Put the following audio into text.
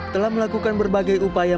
telah melakukan berbagai upaya